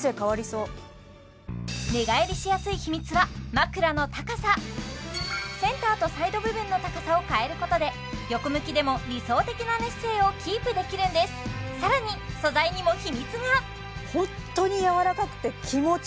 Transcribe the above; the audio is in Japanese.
寝返りしやすいセンターとサイド部分の高さを変えることで横向きでも理想的な寝姿勢をキープできるんです更に素材にも秘密がですよね